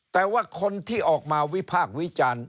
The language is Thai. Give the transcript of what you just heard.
แต่ว่าคนที่ออกมาวิพากษ์วิจารณ์